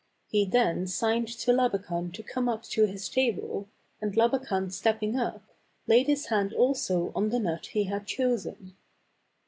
He then signed to Labakan to come up to his table, and Labakan stepping up, laid his hand also on the nut he had chosen.